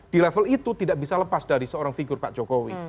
di level itu tidak bisa lepas dari seorang figur pak jokowi